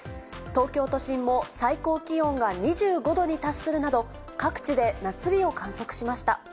東京都心も最高気温が２５度に達するなど、各地で夏日を観測しました。